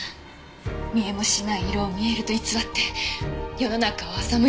見えもしない色を見えると偽って世の中を欺いてきた罰。